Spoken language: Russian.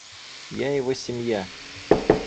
Я его семья.